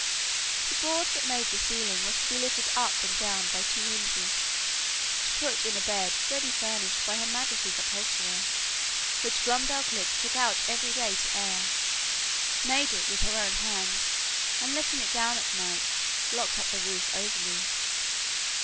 The board, that made the ceiling, was to be lifted up and down by two hinges, to put in a bed ready furnished by her majesty's upholsterer, which Glumdalclitch took out every day to air, made it with her own hands, and letting it down at night, locked up the roof over me.